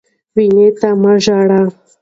وینو ته مه ژاړه.